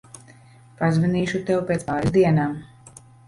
Pazvanīšu tev pēc pāris dienām.